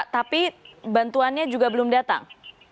tapi bantuannya juga belum datang